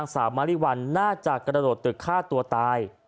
สาวมาริวัลน่าจะกระโดดตึกฆ่าตัวตาย